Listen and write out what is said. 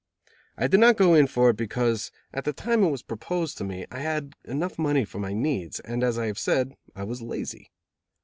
I did not go in for it because, at the time it was proposed to me, I had enough money for my needs, and as I have said, I was lazy.